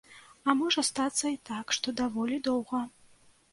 А можа стацца і так, што даволі доўга.